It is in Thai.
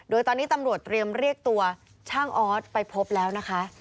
โดยตอนนี้ตำรวจเตรียมเรียกตัวช่างออสไปพบแล้วนะคะ